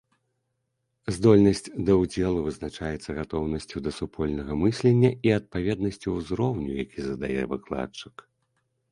Здольнасць да ўдзелу вызначаецца гатоўнасцю да супольнага мыслення і адпаведнасцю ўзроўню, які задае выкладчык.